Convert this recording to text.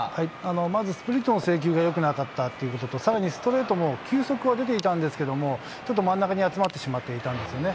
まずスプリットの制球がよくなかったということと、さらにストレートも球速は出ていたんですけれども、ちょっと真ん中に集まってしまっていたんですよね。